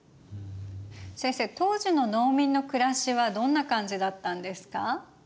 先生当時の農民の暮らしはどんな感じだったんですか？